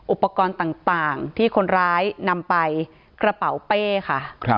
อุปกรณ์ต่างที่คนร้ายนำไปกระเป๋าเป้ค่ะ